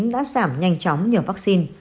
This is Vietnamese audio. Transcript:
đã giảm nhanh chóng nhiều vaccine